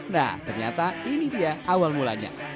nah ternyata ini dia awal mulanya